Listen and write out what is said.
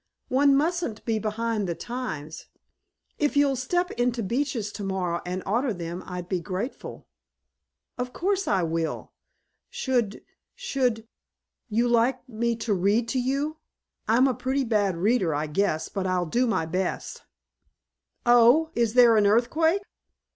One mustn't be behind the times. If you'll step into Beach's tomorrow and order them I'll be grateful." "Of course I will. Should should you like me to read to you? I'm a pretty bad reader, I guess, but I'll do my best." "Oh is there an earthquake?"